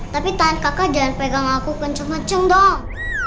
tapi tangan kakak jangan pegang aku kenceng kenceng dong